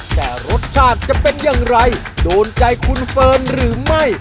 แต่รสชาติจะเป็นอย่างไรโดนใจคุณเฟิร์นหรือไม่